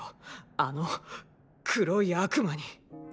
あの黒い悪魔にーー。